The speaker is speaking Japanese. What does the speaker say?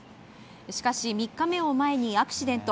しかし３日目を前にアクシデント。